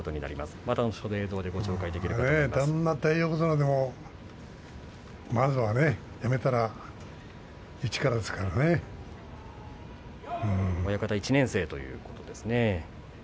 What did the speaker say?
どんな偉くなった横綱でも、まずは辞めたら親方１年生ということですね。